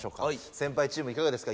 先輩チームいかがですか？